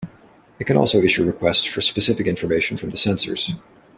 It can also issue requests for specific information from the sensors.